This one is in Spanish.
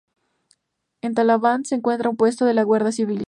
En Talaván se encuentra un Puesto de la Guardia Civil.